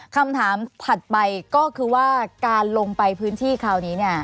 คำถามผลักไปก็คือว่าการลงไปพื้นที่คราวนี้เนี่ย